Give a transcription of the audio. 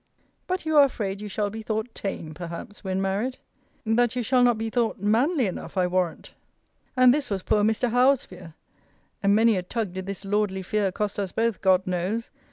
But you are afraid you shall be thought tame, perhaps, when married. That you shall not be though manly enough, I warrant! And this was poor Mr. Howe's fear. And many a tug did this lordly fear cost us both, God knows!